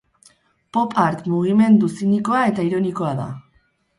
Pop art mugimendu zinikoa eta ironikoa da.